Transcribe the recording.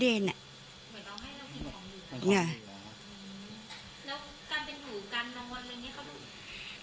แล้วการเป็นหรือการนอนอะไรอย่างนี้เขาบอก